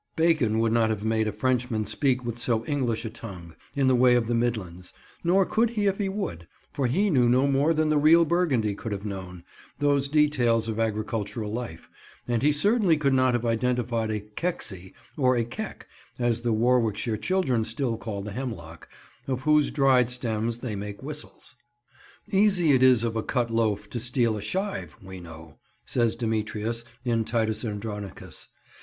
Bacon would not have made a Frenchman speak with so English a tongue, in the way of the Midlands, nor could he if he would, for he knew no more than the real Burgundy could have known, those details of agricultural life; and he certainly could not have identified a "kecksie," or a "keck," as the Warwickshire children still call the hemlock, of whose dried stems they make whistles. "Easy it is of a cut loaf to steal a shive, we know," says Demetrius, in Titus Andronicus.